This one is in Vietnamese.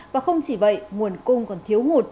và không chỉ vậy nguồn cung còn thiếu ngụt